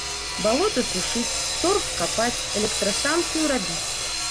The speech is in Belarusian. Балота сушыць, торф капаць, электрастанцыю рабіць.